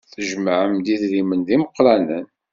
Tjemɛem-d idrimen d imeqranen.